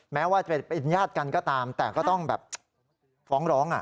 แม้ว่าจะเป็นญาติกันก็ตามแต่ก็ต้องแบบฟ้องร้อง